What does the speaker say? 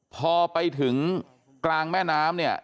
พอไปถึงกลางแม่น้ำเนี่ย